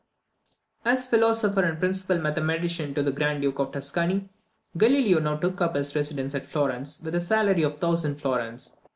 As philosopher and principal mathematician to the Grand Duke of Tuscany, Galileo now took up his residence at Florence, with a salary of 1000 florins.